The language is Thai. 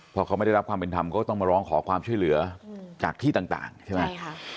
พอเขาไม่ได้รับความเป็นธรรมก็ต้องมาร้องขอความช่วยเหลือจากที่ต่างใช่ไหมใช่ค่ะ